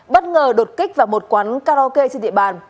bất ngờ đột kích vào một quán karaoke trên địa bàn